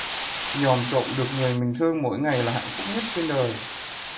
Dòm trộm được người mình thương mỗi ngày là hạnh phúc nhất đời